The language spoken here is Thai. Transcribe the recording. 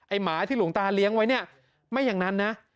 หมาที่หลวงตาเลี้ยงไว้เนี่ยไม่อย่างนั้นนะ